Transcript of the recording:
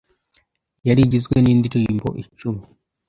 yari igizwe n’indirimbo icumi